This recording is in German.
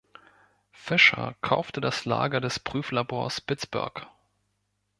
Fisher kaufte das Lager des Prüflabors Pittsburgh.